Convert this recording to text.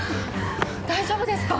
大丈夫ですか？